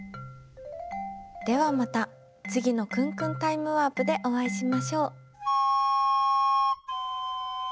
ではまたつぎのくんくんタイムワープでおあいしましょう。